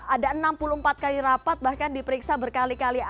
ada enam puluh empat kali rapat bahkan diperiksa berkali kali